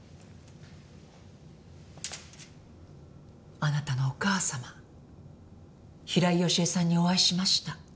あなたのお母様平井佳恵さんにお会いしました。